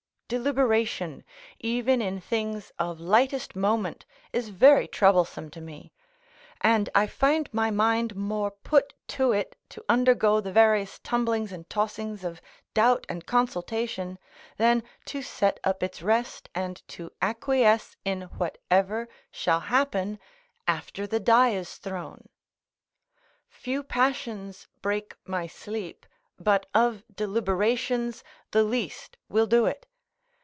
Deliberation, even in things of lightest moment, is very troublesome to me; and I find my mind more put to it to undergo the various tumblings and tossings of doubt and consultation, than to set up its rest and to acquiesce in whatever shall happen after the die is thrown. Few passions break my sleep, but of deliberations, the least will do it.